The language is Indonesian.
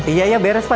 iya iya beres pak